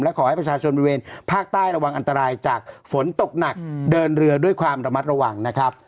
ขอให้ประชาชนบริเวณภาคใต้ระวังอันตรายจากฝนตกหนักเดินเรือด้วยความระมัดระวังนะครับ